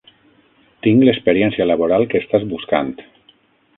Tinc l'experiència laboral que estàs buscant.